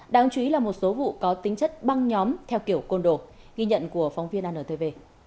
đáng chú ý là một số vụ có tính chất băng nhóm theo kiểu côn đồ ghi nhận của phóng viên antv